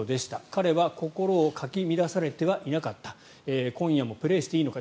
彼は心をかき乱されてはいなかった今夜もプレーしていいのか？